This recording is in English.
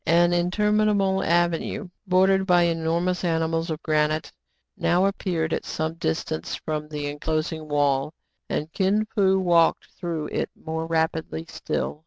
An interminable avenue, bordered by enormous animals of granite, now appeared at some distance from the enclosing wall ; and Kin Fo walked through it more rapidly still.